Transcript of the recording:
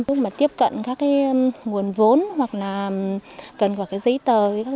lúc mà tiếp cận các nguồn vốn hoặc là cần gọi cái giấy tờ